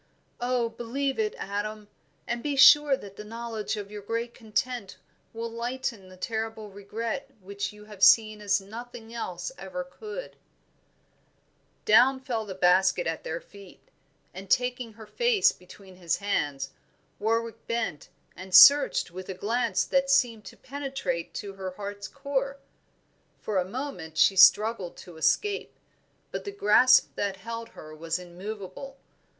Oh, believe it, Adam; and be sure that the knowledge of your great content will lighten the terrible regret which you have seen as nothing else ever could have done." Down fell the basket at their feet, and taking her face between his hands, Warwick bent and searched with a glance that seemed to penetrate to her heart's core. For a moment she struggled to escape, but the grasp that held her was immovable.